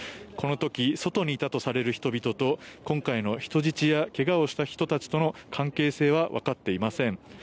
この時外にいたとされる人々と今回の人質や怪我をした人たちとの関係性はわかっていません。